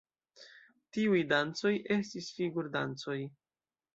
Tiuj dancoj estis figur-dancoj.